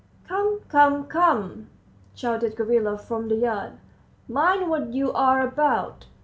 "Come, come, come," shouted Gavrila from the yard, "mind what you're about."